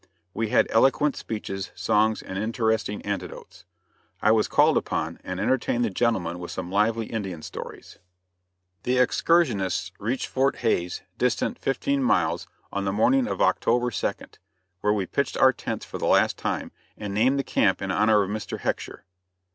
We had eloquent speeches, songs, and interesting anecdotes. I was called upon, and entertained the gentlemen with some lively Indian stories. The excursionists reached Fort Hays, distant fifteen miles, on the morning of October 2d, where we pitched our tents for the last time, and named the camp in honor of Mr. Hecksher.